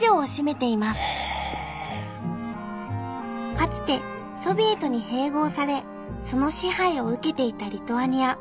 かつてソビエトに併合されその支配を受けていたリトアニア。